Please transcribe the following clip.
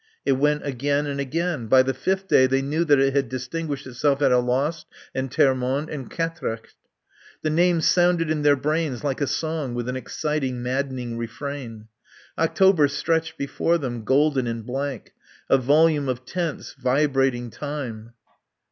It went again and again. By the fifth day they knew that it had distinguished itself at Alost and Termonde and Quatrecht. The names sounded in their brains like a song with an exciting, maddening refrain. October stretched before them, golden and blank, a volume of tense, vibrating time.